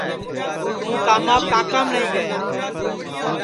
توں کاماپ کاکام نائی گیا